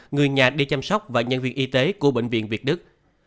người nhà đi chăm sóc và nhân viên y tế của bệnh viện việt đức